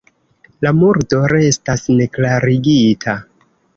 La murdo restas neklarigita.